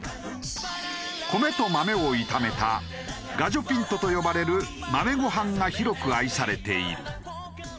米と豆を炒めたガジョピントと呼ばれる豆ご飯が広く愛されている。